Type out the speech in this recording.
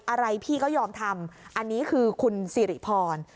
อะไรพี่ก็ยอมทำอันนี้คือคุณสิริพร